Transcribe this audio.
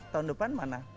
tahun depan mana